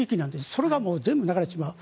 それが全部流れてしまう。